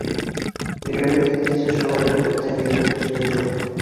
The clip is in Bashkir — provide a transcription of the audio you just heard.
Өйрәнеп киткәнсе, шулай бер төптән егелеп эшләйҙәр.